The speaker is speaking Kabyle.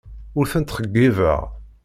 Ur tent-ttxeyyibeɣ.